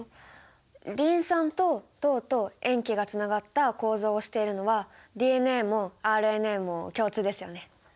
リン酸と糖と塩基がつながった構造をしているのはＤＮＡもＲＮＡも共通ですよね。